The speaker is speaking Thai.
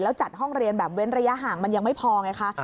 แล้วจัดห้องเรียนแบบเว้นระยะห่างมันยังไม่พอไงคะ